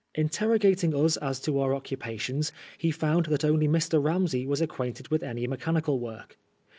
Interrogating us as to our occupations, he found that only Mr. Ramsey was acquainted with any mechanical work.